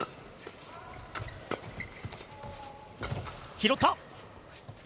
拾った。